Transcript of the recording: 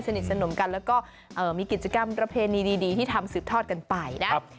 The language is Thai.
สนิทสนมกันแล้วก็มีกิจกรรมประเพณีดีที่ทำสืบทอดกันไปนะ